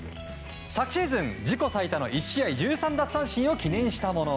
昨シーズン自己最多の１試合１３奪三振を記念したもの。